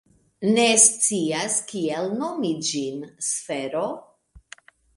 Ne scias kiel nomi ĝin. Sfero.